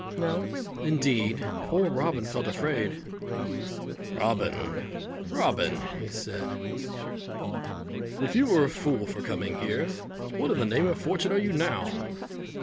Now, indeed, poor Robin felt afraid. "Robin, Robin," said he, "if you were a fool for coming here, what in the name of fortune are you now?"